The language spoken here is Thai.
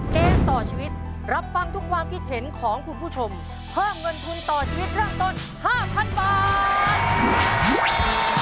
เกมต่อชีวิตรับฟังทุกความคิดเห็นของคุณผู้ชมเพิ่มเงินทุนต่อชีวิตเริ่มต้น๕๐๐๐บาท